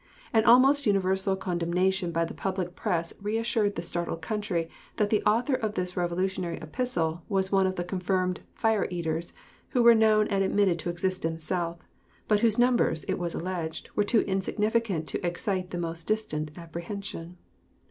An almost universal condemnation by the public press reassured the startled country that the author of this revolutionary epistle was one of the confirmed "fire eaters" who were known and admitted to exist in the South, but whose numbers, it was alleged, were too insignificant to excite the most distant apprehension.